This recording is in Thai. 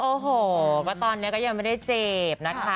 โอ้โหก็ตอนนี้ก็ยังไม่ได้เจ็บนะคะ